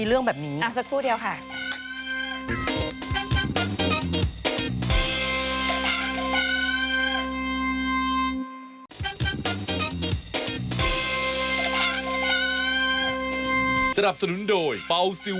แต่นางมีที่ดินเยอะหน่อย